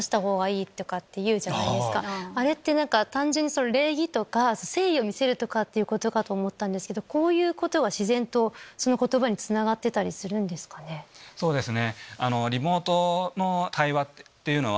あれって単純に礼儀とか誠意を見せるとかってことかと思ったんですけどこういうことはその言葉につながってたりするんですか？